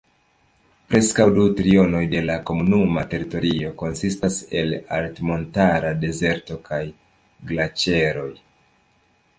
Preskaŭ du trionoj de la komunuma teritorio konsistas el altmontara dezerto kaj glaĉeroj.